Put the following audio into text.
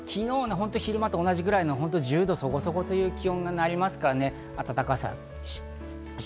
昨日の昼間と同じぐらいの１０度そこそこという気温となりますからね、暖かさ。